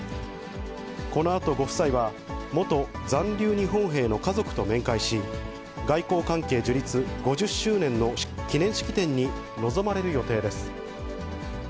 このあとご夫妻は、元残留日本兵の家族と面会し、外交関係樹立５０周年の記念式典に臨まれる予定です。